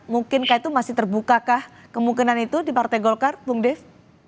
mungkinkah itu masih terbukakah kemungkinan itu di partai golkar bung dev